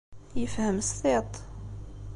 Yefhem s tiṭ.